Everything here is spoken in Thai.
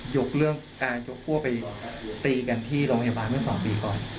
ยกครัวไปตีกันที่โรงพยาบาลเมื่อ๒ปีก่อน